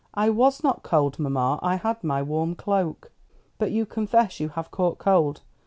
"I was not cold, mamma; I had my warm cloak." "But you confess you have caught cold.